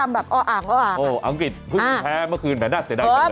อังกฤษเพิ่งแพ้เมื่อคืนแผ่นหน้าเสียดายกันเลย